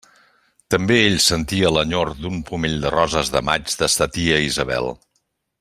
També ell sentia l'enyor d'un pomell de roses de maig de sa tia Isabel.